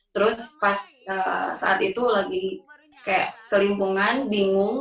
terus pas saat itu lagi kayak kelimpungan bingung